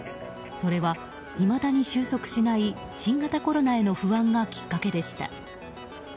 それは、いまだに終息しない新型コロナへの不安がきっかけでした。